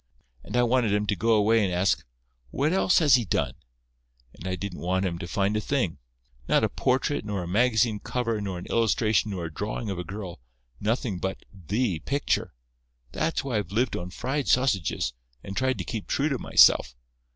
And I wanted 'em to go away and ask, 'What else has he done?' And I didn't want 'em to find a thing; not a portrait nor a magazine cover nor an illustration nor a drawing of a girl—nothing but the picture. That's why I've lived on fried sausages, and tried to keep true to myself.